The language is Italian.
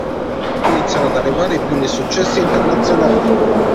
Qui iniziano ad arrivare i primi successi internazionali.